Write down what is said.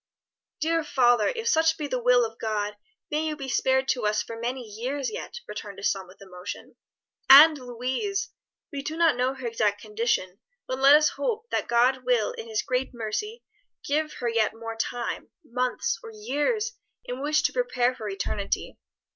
"Dear father, if such be the will of God, may you be spared to us for many years yet," returned his son with emotion. "And Louise! We do not know her exact condition, but let us hope that God will in His great mercy give her yet more time months or years in which to prepare for eternity.